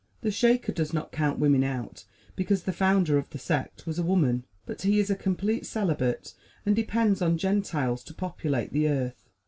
The Shaker does not count women out because the founder of the sect was a woman, but he is a complete celibate and depends on Gentiles to populate the earth.